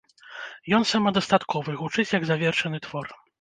Ён самадастатковы, гучыць як завершаны твор.